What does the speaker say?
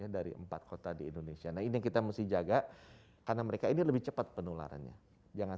dari empat kota di indonesia nah ini yang kita mesti jaga karena mereka ini lebih cepat penularannya jangan